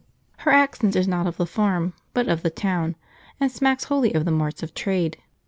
Her accent is not of the farm, but of the town, and smacks wholly of the marts of trade.